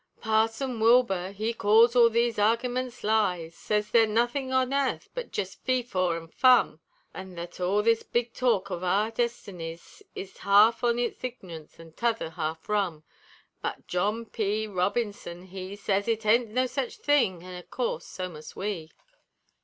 Parson Wilbur he calls all these argimunts lies; Sez they're nothin' on airth but jest fee, faw, fum: An' thet all this big talk of our destinies Is half on it ign'ance an' t'other half rum; But John P. Robinson he Sez it ain't no sech thing; an', of course, so must we.